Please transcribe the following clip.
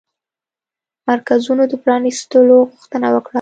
مرکزونو د پرانيستلو غوښتنه وکړه